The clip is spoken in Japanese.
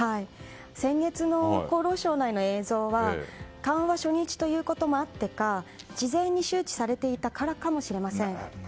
先月の厚労省内の映像は緩和初日ということもあってか事前に周知されていたからかもしれません。